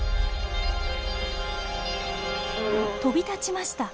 飛び立ちました。